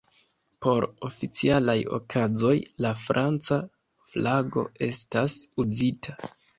Por oficialaj okazoj, la franca flago estas uzita.